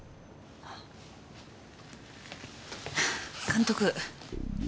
監督。